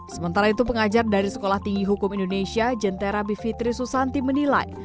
sementara itu pengajar dari sekolah tinggi hukum indonesia jentera bivitri susanti menilai